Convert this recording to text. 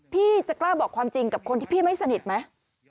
พี่จะกล้าบอกความจริงกับคนที่พี่ไม่สนิทไหม